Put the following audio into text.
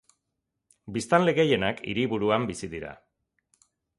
Biztanle gehienak hiriburuan bizi dira.